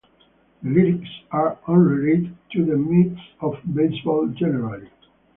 The lyrics are unrelated to the Mets or baseball generally.